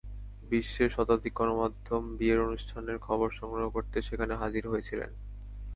বিশ্বের শতাধিক গণমাধ্যম বিয়ের অনুষ্ঠানের খবর সংগ্রহ করতে সেখানে হাজির হয়েছিলেন।